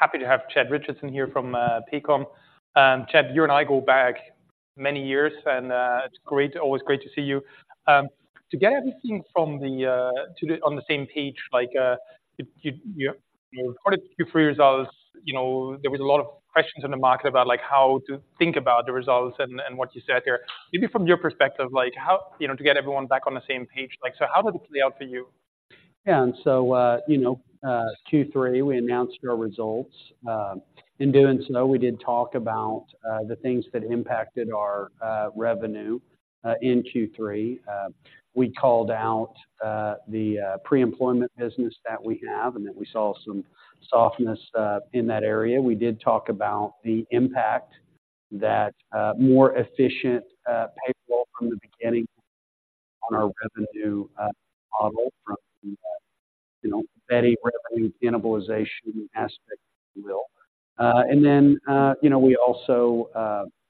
Happy to have Chad Richison here from Paycom. Chad, you and I go back many years, and it's great, always great to see you. To get everything on the same page, like, you reported Q3 results, you know, there was a lot of questions in the market about, like, how to think about the results and what you said here. Maybe from your perspective, like, how, you know, to get everyone back on the same page, like, so how did it play out for you? Yeah, and so, you know, Q3, we announced our results. In doing so, we did talk about the things that impacted our revenue in Q3. We called out the pre-employment business that we have and that we saw some softness in that area. We did talk about the impact that more efficient payroll from the beginning on our revenue model from you know, Beti revenue cannibalization aspect, if you will. And then, you know, we also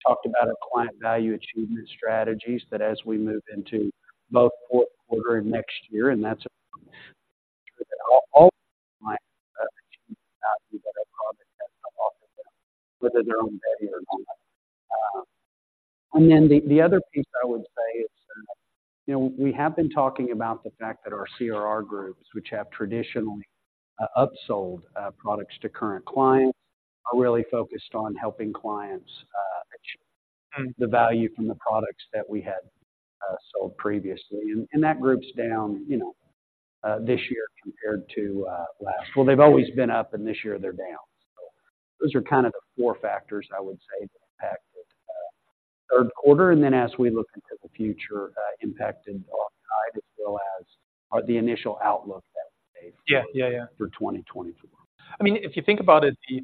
talked about our client value achievement strategies that as we move into both Q4 and next year, and. And then the other piece I would say is that, you know, we have been talking about the fact that our CRR groups, which have traditionally upsold products to current clients, are really focused on helping clients achieve the value from the products that we had sold previously. And that group's down, you know, this year compared to last. Well, they've always been up, and this year they're down. So those are kind of the four factors I would say that impacted Q3, and then as we look into the future, impacted alongside, as well as the initial outlook that we gave for 2024. I mean, if you think about it, the,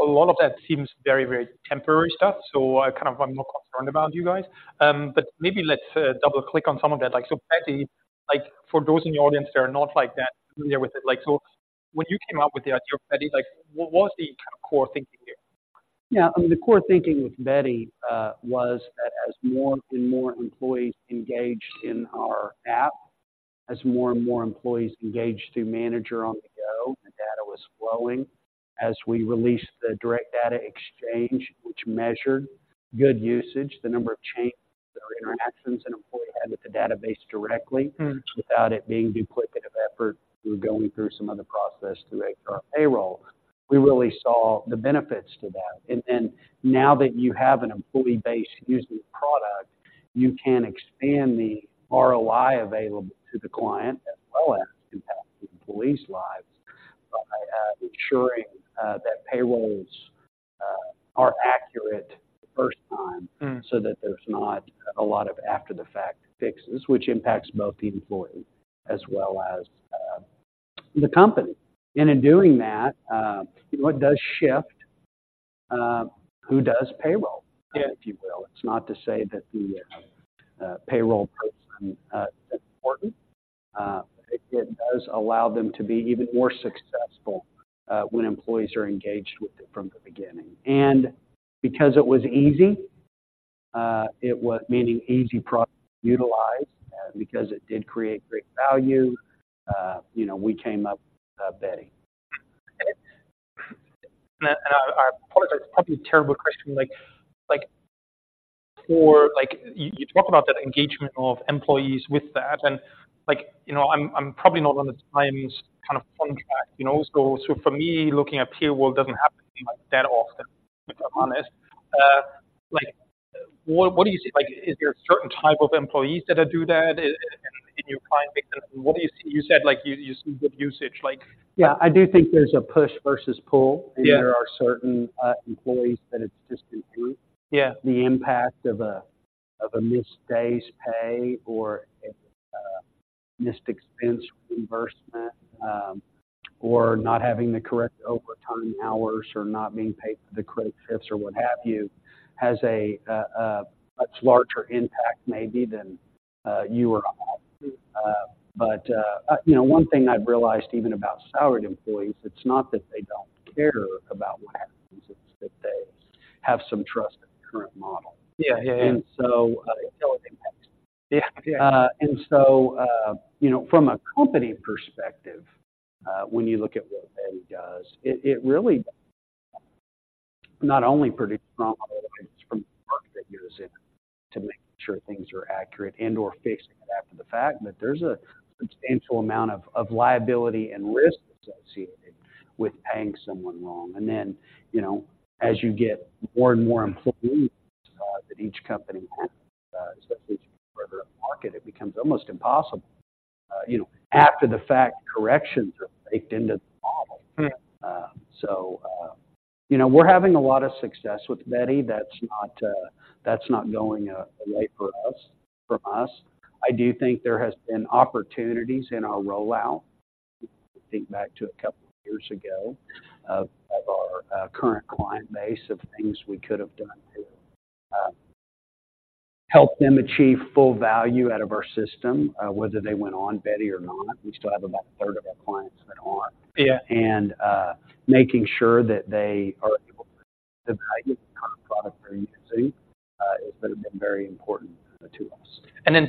a lot of that seems very, very temporary stuff, so I kind of I'm not concerned about you guys. But maybe let's double-click on some of that. Like, so Beti, like for those in the audience that are not, like, that familiar with it, like, so when you came up with the idea of Beti, like, what was the kind of core thinking here? Yeah, I mean, the core thinking with Beti was that as more and more employees engaged in our app, as more and more employees engaged through Manager on-the-Go, the data was flowing. As we released the Direct Data Exchange, which measured good usage, the number of changes or interactions an employee had with the database directly- Without it being duplicative effort through going through some other process through HR payroll, we really saw the benefits to that. And now that you have an employee base using the product, you can expand the ROI available to the client, as well as impact the employees' lives by ensuring that payrolls are accurate first time so that there's not a lot of after-the-fact fixes, which impacts both the employee as well as the company. And in doing that, it does shift who does payroll- Yeah If you will. It's not to say that the payroll person isn't important. It does allow them to be even more successful when employees are engaged with it from the beginning. And because it was easy, it was... meaning easy product to utilize, because it did create great value, you know, we came up with Beti. I apologize, probably a terrible question. Like, for you, you talk about that engagement of employees with the app, and like, you know, I'm probably not on the times, kind of, fun track, you know, so for me, looking at payroll doesn't happen, like, that often, if I'm honest. Like, what do you see? Like, is there a certain type of employees that do that in your client base? And what do you see? You said, like, you see good usage, like... Yeah, I do think there's a push versus pull. Yeah. There are certain employees that it's just improved. Yeah. The impact of a missed day's pay or a missed expense reimbursement, or not having the correct overtime hours or not being paid for the correct shifts or what have you, has a much larger impact maybe than you or I. But you know, one thing I've realized even about salaried employees, it's not that they don't care about what happens, it's that they have some trust in the current model. Yeah. Yeah, yeah. And so, until it impacts them. Yeah, yeah. And so, you know, from a company perspective, when you look at what Beti does, it really not only produces things are accurate and/or fixing it after the fact, but there's a substantial amount of liability and risk associated with paying someone wrong. And then, you know, as you get more and more employees that each company has, especially as you further upmarket, it becomes almost impossible, you know, after-the-fact corrections are baked into the model. So, you know, we're having a lot of success with Beti. That's not, that's not going away for us, from us. I do think there has been opportunities in our rollout. Think back to a couple of years ago of, of our current client base, of things we could have done to help them achieve full value out of our system, whether they went on Beti or not. We still have about a third of our clients that aren't. Yeah. And making sure that they are able to the value of the current product they're using, very important to us. And then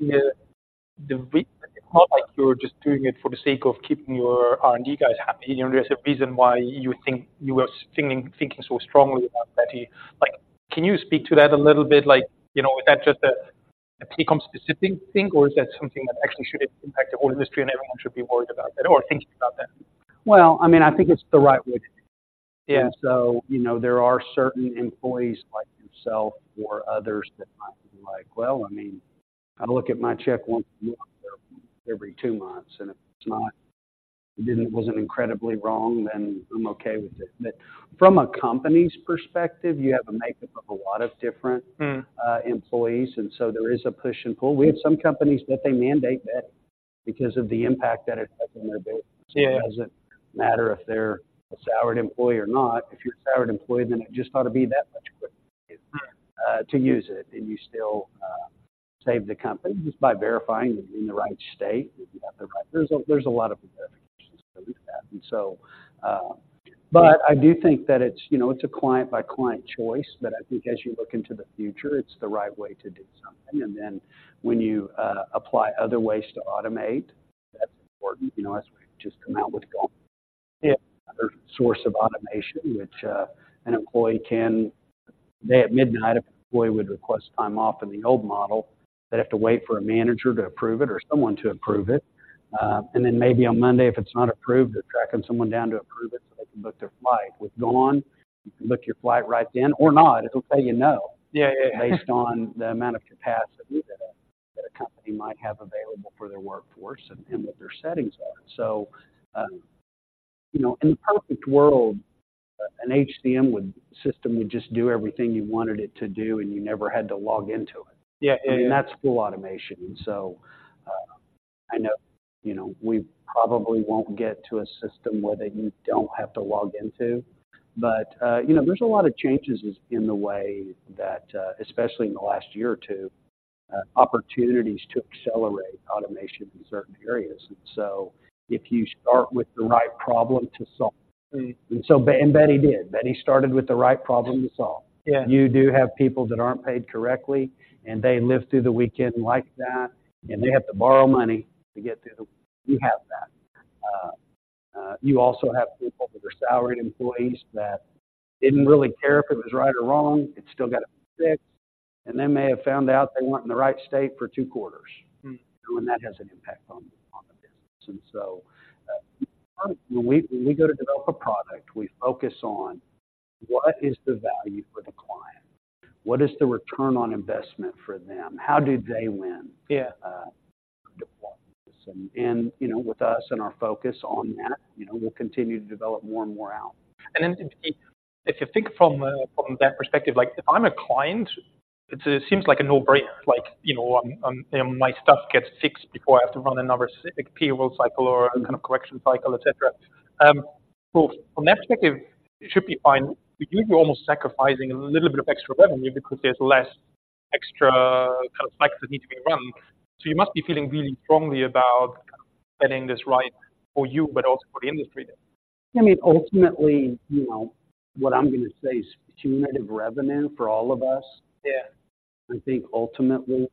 it's not like you're just doing it for the sake of keeping your R&D guys happy. You know, there's a reason why you think you are thinking so strongly about Beti. Like, can you speak to that a little bit? Like, you know, is that just a Paycom-specific thing, or is that something that actually should impact the whole industry, and everyone should be worried about that or thinking about that? Well, I mean, I think it's the right way to do. Yeah. And so, you know, there are certain employees like yourself or others that might be like, "Well, I mean, I look at my check once a month or every two months, and if it's not, it wasn't incredibly wrong, then I'm okay with it." But from a company's perspective, you have a makeup of a lot of different- Employees, and so there is a push and pull. We have some companies that they mandate Beti because of the impact that it has on their business. It doesn't matter if they're a salaried employee or not. If you're a salaried employee, then it just ought to be that much quicker, to use it, and you still, save the company just by verifying that you're in the right state, if you have the right. There's a lot of that. And so, but I do think that it's, you know, it's a client-by-client choice, but I think as you look into the future, it's the right way to do something. And then when you, apply other ways to automate, that's important. You know, as we've just come out with GONE. Yeah. Another source of automation, which an employee can say at midnight, if an employee would request time off in the old model, they'd have to wait for a manager to approve it or someone to approve it. And then maybe on Monday, if it's not approved, they're tracking someone down to approve it, so they can book their flight. With GONE, you can book your flight right then or not. It'll tell you no- Yeah, yeah. -based on the amount of capacity that a company might have available for their workforce and what their settings are. So, you know, in a perfect world, an HCM system would just do everything you wanted it to do, and you never had to log into it. Yeah, yeah. That's full automation. I know, you know, we probably won't get to a system where that you don't have to log into, but, you know, there's a lot of changes in the way that, especially in the last year or two, opportunities to accelerate automation in certain areas. So if you start with the right problem to solve. Beti did. Beti started with the right problem to solve. Yeah. You do have people that aren't paid correctly, and they live through the weekend like that, and they have to borrow money to get through the week. We have that. You also have people that are salaried employees that didn't really care if it was right or wrong. It still got to be fixed, and they may have found out they weren't in the right state for two quarters. That has an impact on the business. product, we focus on what is the value for the client? What is the return on investment for them? How do they win? Yeah. You know, with us and our focus on that, you know, we'll continue to develop more and more out. And then if you think from that perspective, like if I'm a client, it seems like a no-brainer. Like, you know, my stuff gets fixed before I have to run another specific payroll cycle or a kind of correction cycle, et cetera. So from that perspective, it should be fine. You'd be almost sacrificing a little bit of extra revenue because there's less extra kind of cycles that need to be run. So you must be feeling really strongly about getting this right for you, but also for the industry then. I mean, ultimately, you know, what I'm going to say is cumulative revenue for all of us. Yeah. I think ultimately,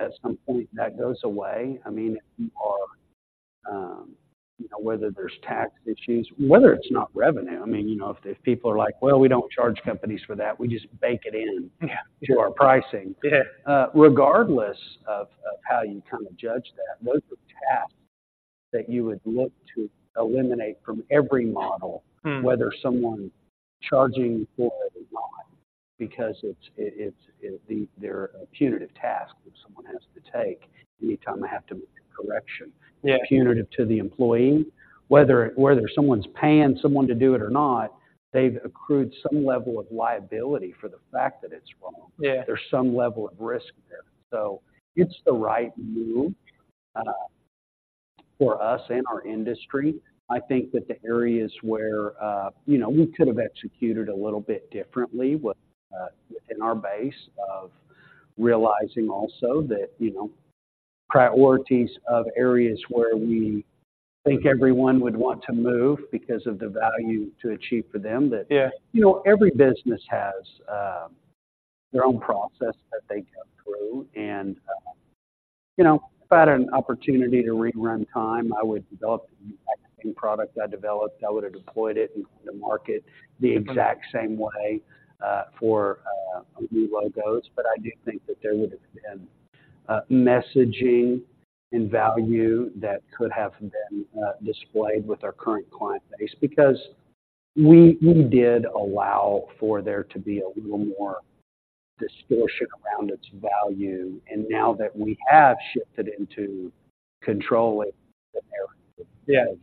at some point, that goes away. I mean, if you are, you know, whether there's tax issues, whether it's not revenue, I mean, you know, if the people are like, "Well, we don't charge companies for that. We just bake it in to our pricing. Yeah. Regardless of how you kind of judge that, those are tasks that you would look to eliminate from every model- whether someone's charging for it or not, because it's a punitive task that someone has to take anytime they have to make a correction. Yeah. Punitive to the employee. Whether someone's paying someone to do it or not, they've accrued some level of liability for the fact that it's wrong. Yeah. There's some level of risk there. So it's the right move, for us and our industry. I think that the areas where, you know, we could have executed a little bit differently was, in our base of realizing also that, you know, priorities of areas where we think everyone would want to move because of the value to achieve for them, that- Yeah. You know, every business has their own process that they go through, and you know, if I had an opportunity to rerun time, I would develop the exact same product I developed. I would have deployed it into the market the exact same way, for new logos. But I do think that there would have been messaging and value that could have been displayed with our current client base because we, we did allow for there to be a little more distortion around its value, and now that we have shifted into controlling the narrative- Yeah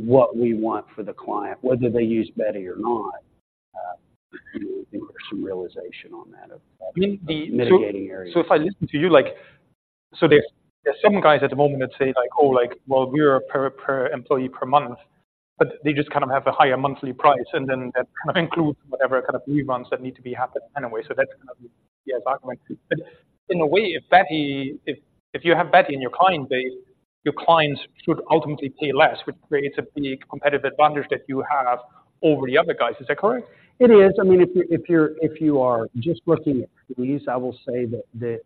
what we want for the client, whether they use Beti or not, I think there's some realization on that of- Mitigating areas. So if I listen to you like, so there's some guys at the moment that say, like: "Oh, like, well, we're a per employee per month," but they just kind of have a higher monthly price, and then that kind of includes whatever kind of reruns that need to be happened anyway. So that's kind of the argument. But in a way, if Beti, if you have Beti in your client base, your clients should ultimately pay less, which creates a big competitive advantage that you have over the other guys. Is that correct? It is. I mean, if you are just looking at these, I will say that the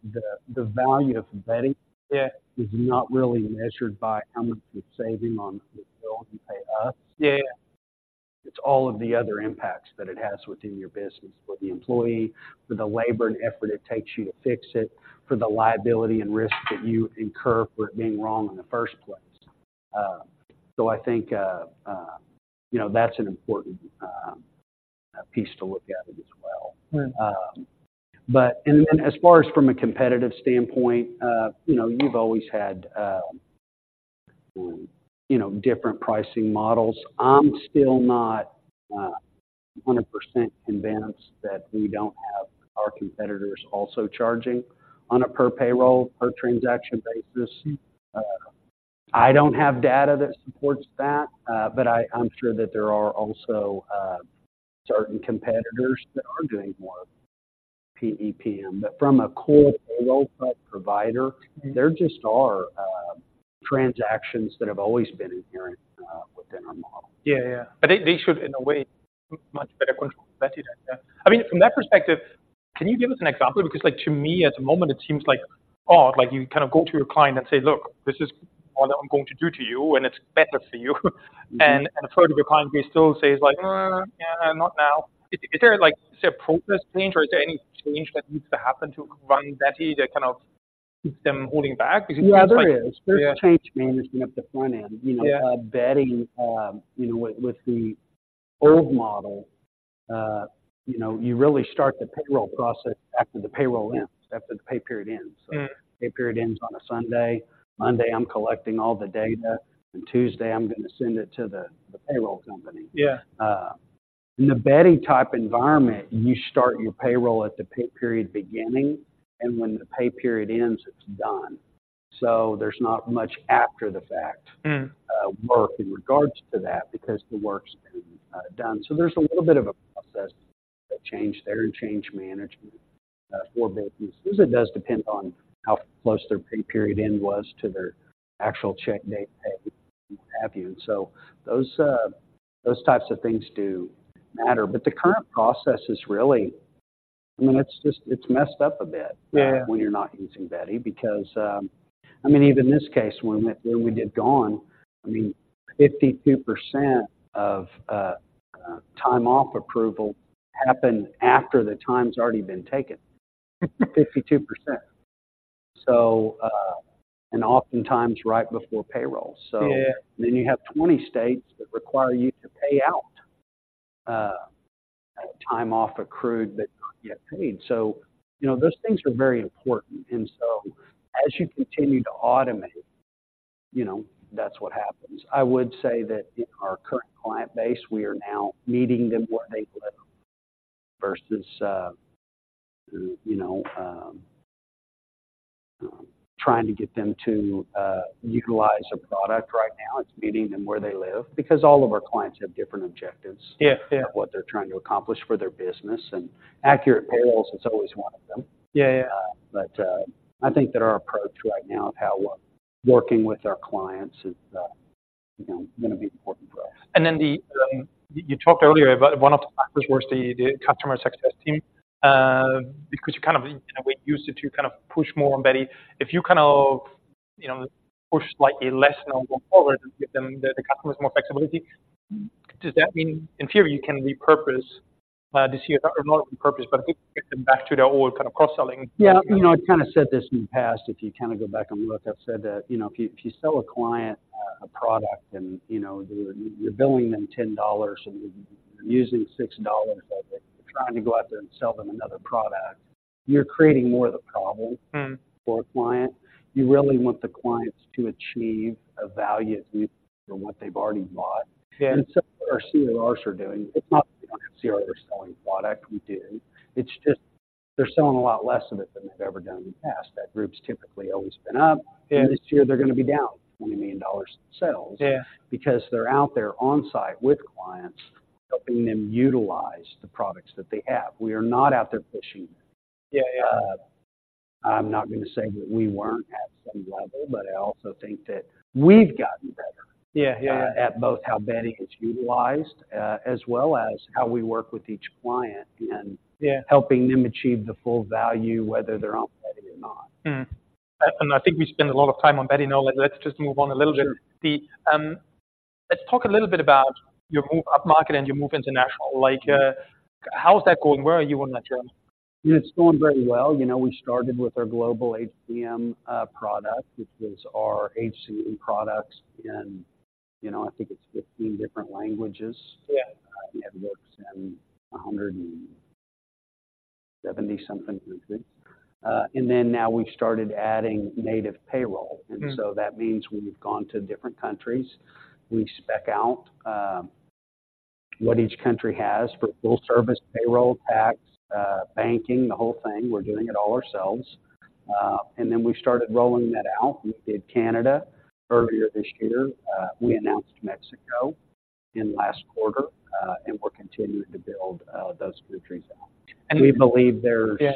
value of Beti is not really measured by how much you're saving on the bill you pay us. Yeah. It's all of the other impacts that it has within your business, for the employee, for the labor and effort it takes you to fix it, for the liability and risk that you incur for it being wrong in the first place. So I think, you know, that's an important piece to look at it as well. Right. But as far as from a competitive standpoint, you know, you've always had you know, different pricing models. I'm still not 100% convinced that we don't have our competitors also charging on a per payroll, per transaction basis. I don't have data that supports that, but I'm sure that there are also certain competitors that are doing more of PEPM. But from a core payroll-type provider There just are transactions that have always been inherent within our model. Yeah, yeah. But they should, in a way, much better control Beti, then, yeah. I mean, from that perspective, can you give us an example? Because, like, to me, at the moment, it seems like, odd, like, you kind of go to your client and say, "Look, this is all that I'm going to do to you, and it's better for you. A third of your client base still says, like, "Yeah, not now." Is there, like, a progress change, or is there any change that needs to happen to run Beti that kind of keeps them holding back? Because it seems like- Yeah, there is. Yeah. There's change management at the front end. Yeah. You know, Beti, you know, with the old model, you know, you really start the payroll process after the payroll ends, after the pay period ends. Mm. Pay period ends on a Sunday. Monday, I'm collecting all the data. On Tuesday, I'm gonna send it to the payroll company. Yeah. In the Beti-type environment, you start your payroll at the pay period beginning, and when the pay period ends, it's done. So there's not much after-the-fact Work in regards to that because the work's been done. So there's a little bit of a process change there and change management for. It does depend on how close their pay period end was to their actual check date, pay, what have you. So those, those types of things do matter. But the current process is really. I mean, it's just, it's messed up a bit. Yeah When you're not using Beti, because, I mean, even this case, when we, when we did GONE, I mean, 52% of time off approval happened after the time's already been taken. 52%. So, and oftentimes right before payroll, so- Yeah. Then you have 20 states that require you to pay out, time off accrued but not yet paid. So, you know, those things are very important. And so as you continue to automate, you know, that's what happens. I would say that in our current client base, we are now meeting them where they live versus, trying to get them to, utilize a product. Right now, it's meeting them where they live because all of our clients have different objectives- Yeah. Yeah Of what they're trying to accomplish for their business, and accurate payrolls is always one of them. Yeah, yeah. But, I think that our approach right now of how we're working with our clients is, you know, gonna be important for us. Then you talked earlier about one of the factors was the customer success team, because you kind of, in a way, used it to kind of push more on Beti. If you kind of, you know, push slightly less now going forward and give them the customers more flexibility, does that mean, in theory, you can repurpose this year, or not repurpose, but I think get them back to their old kind of cross-selling? Yeah. You know, I've kind of said this in the past, if you kind of go back and look, I've said that, you know, if you, if you sell a client a product and, you know, you're, you're billing them $10, and you're using $6 of it, you're trying to go out there and sell them another product, you're creating more of the problem- for a client. You really want the clients to achieve a value from what they've already bought. Yeah. And so our CRRs are doing. It's not that we don't have CRRs selling product. We do. It's just they're selling a lot less of it than they've ever done in the past. That group's typically always been up. Yeah. This year they're going to be down $20 million in sales- Yeah Because they're out there on-site with clients, helping them utilize the products that they have. We are not out there pushing. Yeah, yeah. I'm not going to say that we weren't at some level, but I also think that we've gotten better- Yeah. Yeah at both how Beti is utilized, as well as how we work with each client and- Yeah helping them achieve the full value, whether they're on Beti or not. Mm. And I think we spent a lot of time on Beti now. Let's just move on a little bit. Sure! Let's talk a little bit about your move upmarket and your move international. Like, how is that going? Where are you on that journey? It's going very well. You know, we started with our Global HCM product, which was our HCM product in, you know, I think it's 15 different languages. Yeah. It works in 170-something countries. And then now we've started adding native payroll. That means we've gone to different countries. We spec out what each country has for full service, payroll, tax, banking, the whole thing. We're doing it all ourselves. Then we started rolling that out. We did Canada earlier this year. We announced Mexico in last quarter, and we're continuing to build those countries out. We believe there's- Yeah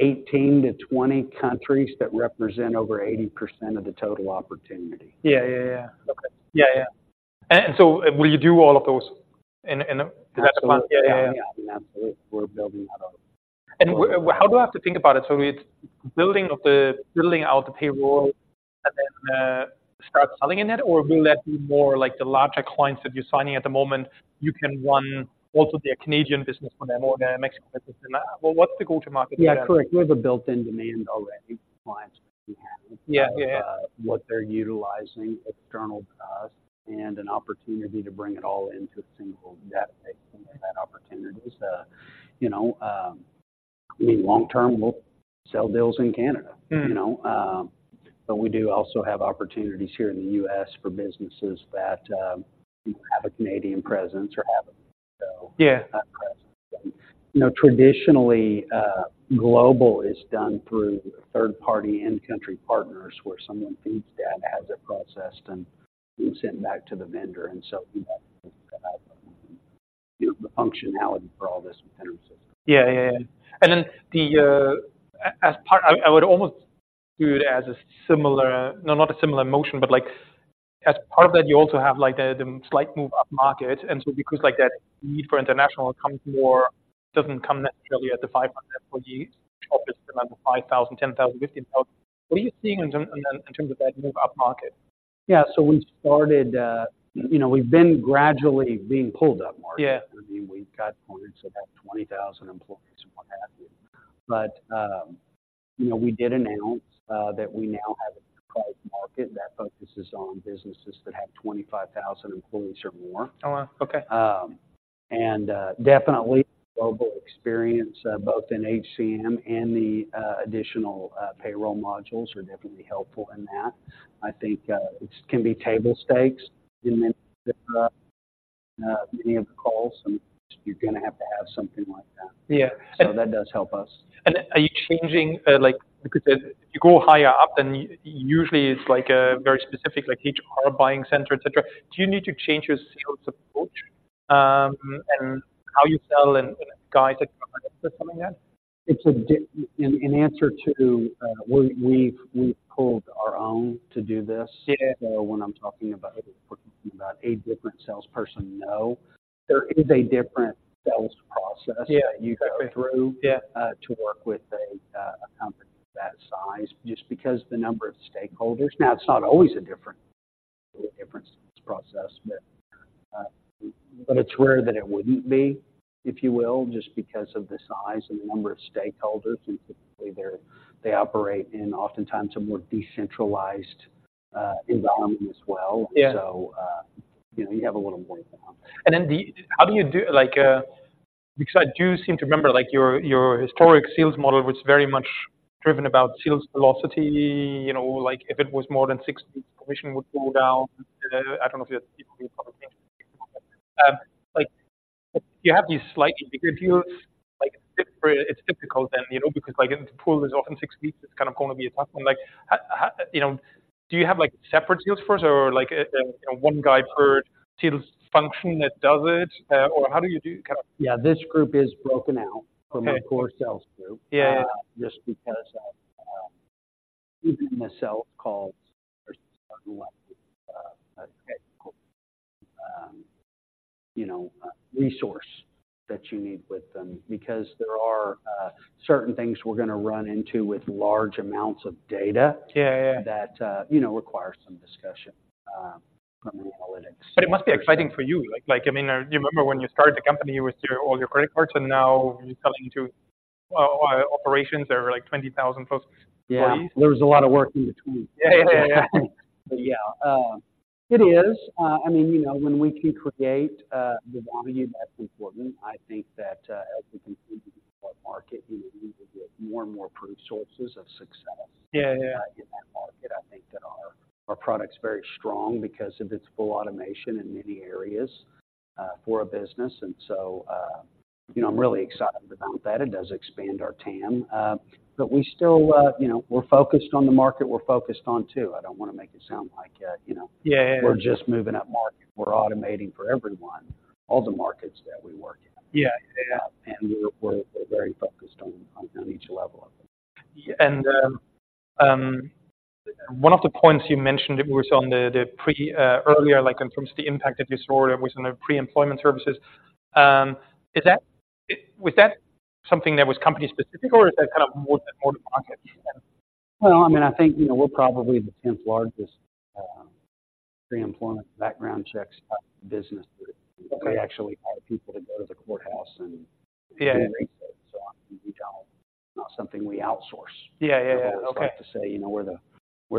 18-20 countries that represent over 80% of the total opportunity. Yeah, yeah, yeah. Okay. Yeah, yeah. And so will you do all of those in the- Absolutely. Yeah, yeah. I mean, absolutely, we're building that out. And how do I have to think about it? So it's building out the payroll, and then start selling in it, or will that be more like the larger clients that you're signing at the moment? You can run also their Canadian business for them or their Mexican business. Well, what's the go-to-market there? Yeah, correct. We have a built-in demand already, clients that we have. Yeah. Yeah, yeah. Of what they're utilizing external to us and an opportunity to bring it all into a single database, and that opportunity is, you know, I mean, long term, we'll sell deals in Canada. You know, but we do also have opportunities here in the U.S. for businesses that have a Canadian presence or have a Yeah You know, traditionally, global is done through third-party and country partners, where someone feeds data, has it processed and sent back to the vendor, and so we have the functionality for all this within our system. Yeah, yeah, yeah. And then, as part, I would almost view it as a similar, no, not a similar motion, but like, as part of that, you also have, like, the slight move upmarket, and so because like that need for international comes more, doesn't come naturally at the 500 employees, which offers the number 5,000, 10,000, 15,000. What are you seeing in terms of that move upmarket? Yeah. So we started, you know, we've been gradually being pulled upmarket. Yeah. I mean, we've got clients that have 20,000 employees and what have you. But, you know, we did announce that we now have an enterprise market that focuses on businesses that have 25,000 employees or more. Oh, wow. Okay. Definitely the global experience, both in HCM and the additional payroll modules are definitely helpful in that. I think it can be table stakes in many of the calls, and you're going to have to have something like that. Yeah. So that does help us. Are you changing, like, because as you go higher up, then usually it's like a very specific, like, HR buying center, et cetera? Do you need to change your sales approach, and how you sell and guys that come in for something like that? In answer to, we've pulled our own to do this. Yeah. So when I'm talking about it, we're talking about a different salesperson. No. There is a different sales process- Yeah, okay that you go through- Yeah To work with a company of that size, just because the number of stakeholders. Now, it's not always a different sales process, but it's rare that it wouldn't be, if you will, just because of the size and the number of stakeholders, and typically, they operate in oftentimes a more decentralized as well. Yeah. You know, you have a little more work. How do you do—like, because I do seem to remember, like, your, your historic sales model was very much driven about sales velocity. You know, like, if it was more than six weeks, commission would go down. I don't know if you had people probably, like, you have these slightly bigger deals. Like, it's different. It's difficult then, you know, because, like, if the pool is often six weeks, it's kind of going to be a tough one. Like, how, how... You know, do you have, like, separate sales force or like a, a one guy per sales function that does it? Or how do you do kind of- Yeah, this group is broken out- Okay from our core sales group. Yeah, yeah. Just because of even the sales calls, you know, resource that you need with them because there are certain things we're going to run into with large amounts of data- Yeah, yeah That, you know, require some discussion from the analytics. But it must be exciting for you. Like, I mean, you remember when you started the company, it was your all your credit cards, and now you're talking to operations that are, like, 20,000+ employees. Yeah. There was a lot of work in between. Yeah, yeah, yeah. But yeah, it is. I mean, you know, when we can create the value, that's important. I think that, as we complete our market, we will get more and more proof sources of success- Yeah, yeah In that market. I think that our, our product's very strong because of its full automation in many areas, for a business, and so, you know, I'm really excited about that. It does expand our TAM. But we still, you know, we're focused on the market. We're focused on two. I don't want to make it sound like, you know- Yeah, yeah We're just moving upmarket. We're automating for everyone, all the markets that we work in. Yeah. Yeah, yeah. We're very focused on each level of it. Yeah, and, one of the points you mentioned, it was on the earlier, like in terms of the impact that you saw, it was in the pre-employment services. Is that, was that something that was company specific, or is that kind of more the market? Well, I mean, I think, you know, we're probably the tenth largest pre-employment background checks business. Okay. We actually hire people to go to the courthouse and- Yeah not something we outsource. Yeah, yeah, yeah. Okay. I like to say, you know, we're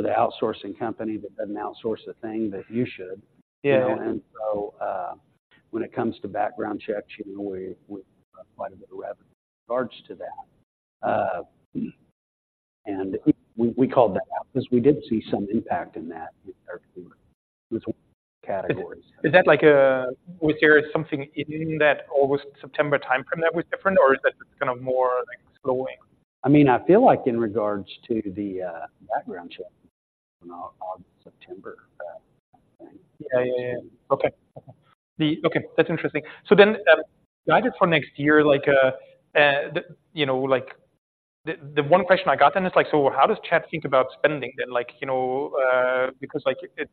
the outsourcing company that doesn't outsource a thing that you should. Yeah. You know, and so, when it comes to background checks, you know, we quite a bit of revenue in regards to that. And we called that out because we did see some impact in that with our categories. Is that like? Was there something in that August, September timeframe that was different, or is that just kind of more like slowing? I mean, I feel like in regards to the background check in August, September. Yeah, yeah, yeah. Okay. Okay, that's interesting. So then, guidance for next year, like, you know, like, the one question I got then is like, so how does Chad think about spending then? Like, you know, because like, it,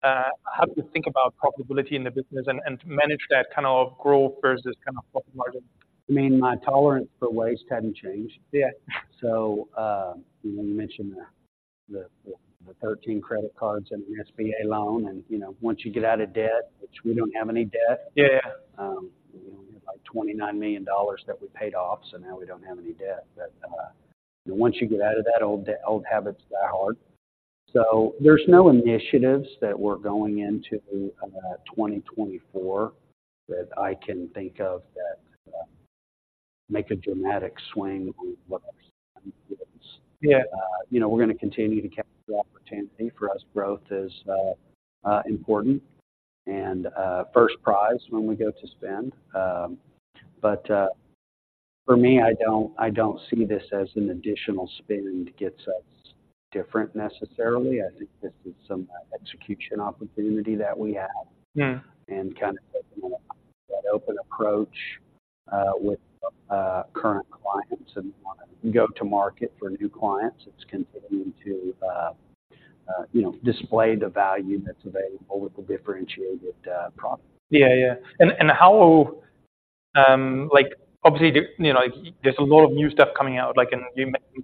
how do you think about profitability in the business and manage that kind of growth versus kind of profit margin? I mean, my tolerance for waste hadn't changed. Yeah. So, you mentioned the 13 credit cards and the SBA loan, and, you know, once you get out of debt, which we don't have any debt. Yeah. You know, we have, like, $29 million that we paid off, so now we don't have any debt. But once you get out of that old habits die hard. So there's no initiatives that we're going into 2024, that I can think of that make a dramatic swing on what our spend is. Yeah. You know, we're gonna continue to capture the opportunity. For us, growth is important and first prize when we go to spend. But for me, I don't see this as an additional spend gets us different necessarily. I think this is some execution opportunity that we have- Yeah And kind of taking that open approach with current clients and want to go to market for new clients. It's continuing to, you know, display the value that's available with the differentiated product. Yeah. Yeah. And how, like, obviously, you know, there's a lot of new stuff coming out, like in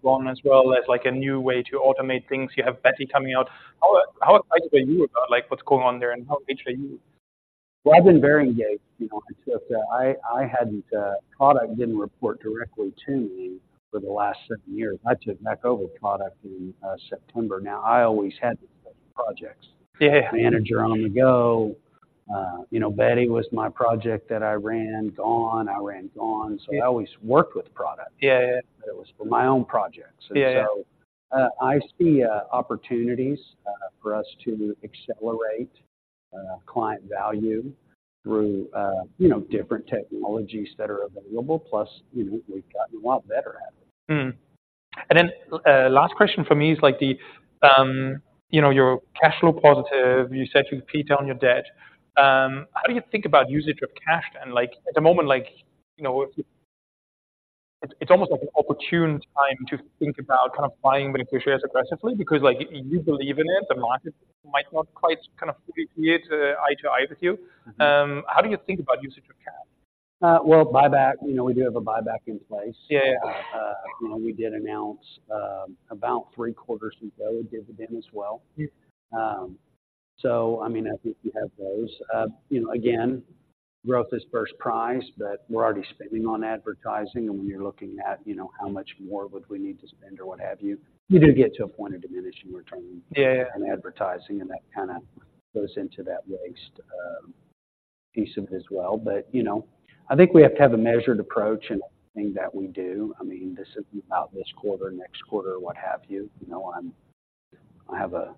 GONE as well as, like, a new way to automate things. You have Beti coming out. How excited are you about, like, what's going on there, and how excited are you? Well, I've been very engaged. You know, I took, I hadn't, product didn't report directly to me for the last seven years. I took back over product in September. Now, I always had projects. Yeah. Manager on-the-Go. You know, Beti was my project that I ran GONE. I ran GONE, so- Yeah I always worked with product. Yeah, yeah. But it was for my own projects. Yeah, yeah. And so, I see opportunities for us to accelerate client value through, you know, different technologies that are available. Plus, you know, we've gotten a lot better at it. And then, last question for me is, like, you know, you're cash flow positive. You said you paid down your debt. How do you think about usage of cash then? Like, at the moment, like, you know, it's almost like an opportune time to think about kind of buying back shares aggressively, because, like, you believe in it, the market might not quite kind of be eye to eye with you. How do you think about usage of cash? Well, buyback, you know, we do have a buyback in place. Yeah, yeah. You know, we did announce, about three quarters ago, a dividend as well. Yeah. I mean, I think you have those. You know, again, growth is first prize, but we're already spending on advertising, and we are looking at, you know, how much more would we need to spend or what have you. You do get to a point of diminishing return- Yeah, yeah In advertising, and that kind of goes into that waste piece of it as well. But, you know, I think we have to have a measured approach in everything that we do. I mean, this isn't about this quarter, next quarter, or what have you. You know, I have a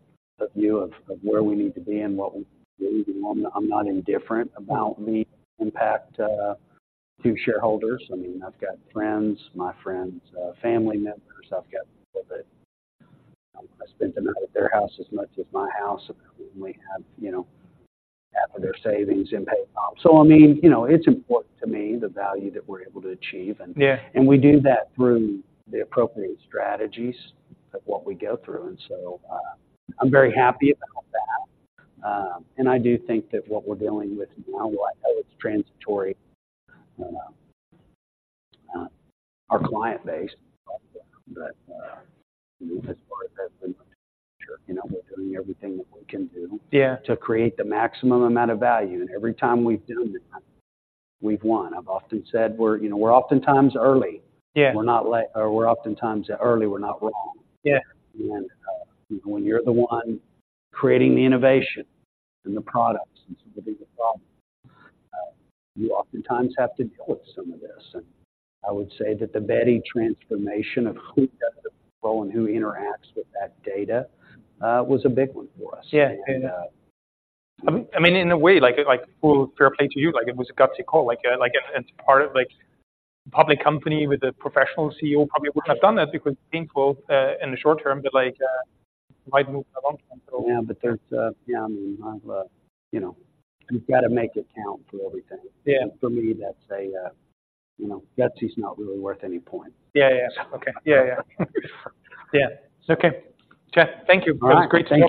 view of where we need to be and what we need. I'm not indifferent about the impact to shareholders. I mean, I've got friends, my friends, family members, I've got a little bit. I spent the night at their house as much as my house, and we have, you know, half of their savings in Paycom. So, I mean, you know, it's important to me, the value that we're able to achieve and- Yeah And we do that through the appropriate strategies of what we go through, and so, I'm very happy about that. And I do think that what we're dealing with now, while I know it's transitory, our client base, but as far as the, you know, we're doing everything that we can do- Yeah To create the maximum amount of value, and every time we've done that, we've won. I've often said we're, you know, we're oftentimes early. Yeah. We're not late or we're oftentimes early. We're not wrong. Yeah. You know, when you're the one creating the innovation and the products and some of the bigger problems, you oftentimes have to deal with some of this. I would say that the Beti transformation of who does the role and who interacts with that data, was a big one for us. Yeah. Yeah. I mean, in a way, like, fair play to you, like, it was a gutsy call. Like, as part of a public company with a professional CEO probably wouldn't have done that because painful in the short term, but, like, might move along term, so. Yeah, but there's, I mean, you know, you've got to make it count for everything. Yeah. For me, that's a, you know, gutsy is not really worth any point. Okay. Yeah, yeah. Yeah. Okay. Chad, thank you. All right. It's great to talk to you.